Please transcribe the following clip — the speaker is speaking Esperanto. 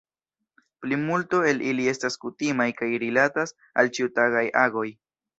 Plimulto el ili estas kutimaj kaj rilatas al ĉiutagaj agoj.